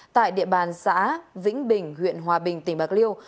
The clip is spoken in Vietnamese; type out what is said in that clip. tại địa bàn xã vĩnh bình huyện hòa bình tỉnh bạc liêu